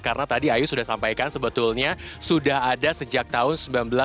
karena tadi ayo sudah sampaikan sebetulnya sudah ada sejak tahun seribu sembilan ratus delapan puluh sembilan